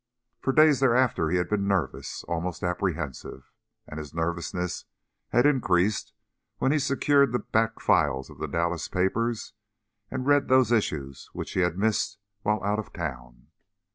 For days thereafter he had been nervous, almost apprehensive, and his nervousness had increased when he secured the back files of the Dallas papers and read those issues which he had missed while out of town.